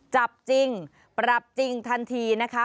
จับจริงปรับจริงทันทีนะคะ